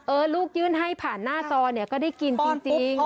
ลูกยื่นให้ผ่านหน้าจอเนี่ยก็ได้กินจริง